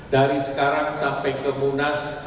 dari sekarang sampai kemunas